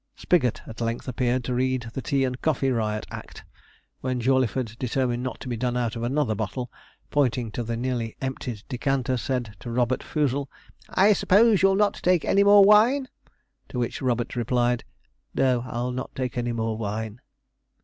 Spigot at length appeared to read the tea and coffee riot act, when Jawleyford determined not to be done out of another bottle, pointing to the nearly emptied decanter, said to Robert Foozle, 'I suppose you'll not take any more wine?' To which Robert replied, 'No, I'll not take any more wine.'